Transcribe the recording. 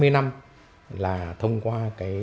hai mươi năm là thông qua